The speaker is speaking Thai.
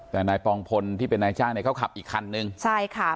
แต่นายปองพลที่เป็นนายจ้างเนี่ยเขาขับอีกคันนึงใช่ค่ะ